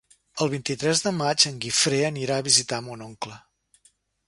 El vint-i-tres de maig en Guifré anirà a visitar mon oncle.